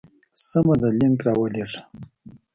سمه ده ته لینک راولېږه.